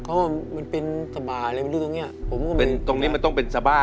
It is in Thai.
อเจมส์เขาบอกว่ามันเป็นตรงนี้ตรงนี้มันต้องเป็นซาบ้า